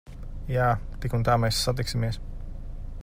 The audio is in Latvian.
Jā. Tik un tā mēs satiksimies.